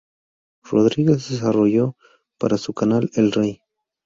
Rodriguez desarrolló una para su canal El Rey.